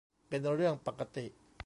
เป็นเรื่องปกติ